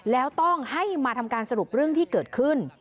แล้วต้องให้มาทำการสรุปเรื่องที่เกิดขึ้น